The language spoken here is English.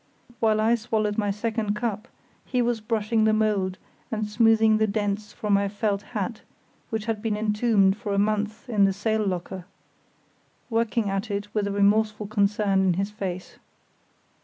While I swallowed my second cup he was brushing the mould and smoothing the dents from my felt hat, which had been entombed for a month in the sail locker; working at it with a remorseful concern in his face.